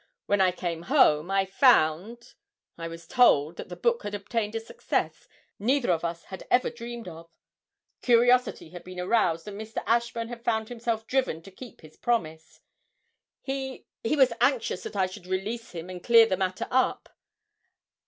'When I came home, I found I was told that the book had obtained a success neither of us ever dreamed of: curiosity had been aroused, and Mr. Ashburn had found himself driven to keep his promise. He he was anxious that I should release him and clear the matter up.